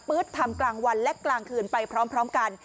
ทำกลางวันและกลางคืนไปพร้อมกัน